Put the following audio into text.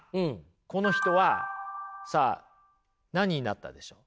この人はさあ何になったでしょう？